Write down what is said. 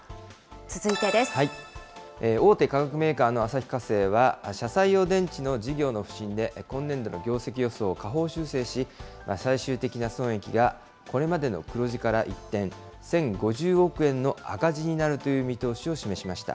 大手化学メーカーの旭化成は、車載用電池の事業の不振で今年度の業績予想を下方修正し、最終的な損益が、これまでの黒字から一転、１０５０億円の赤字になるという見通しを示しました。